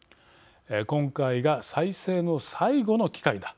今回が再生の最後の機会だ。